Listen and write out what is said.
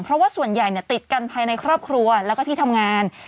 เพราะว่าส่วนใหญ่ติดกันภายในครอบครัวแล้วก็ที่ทำงาน